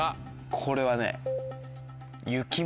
これはね。